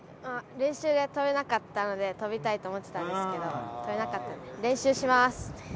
練習で跳べなかったので、跳びたいと思ってたんですけど、跳べなかったんで、練習します。